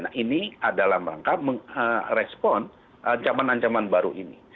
nah ini adalah rangka respon ancaman ancaman baru ini